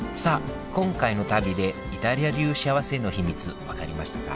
今回の旅でイタリア流しあわせの秘密分かりましたか？